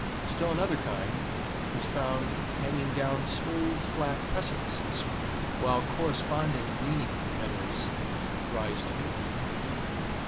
Still another kind is found hanging down smooth, flat precipices, while corresponding leaning meadows rise to meet them.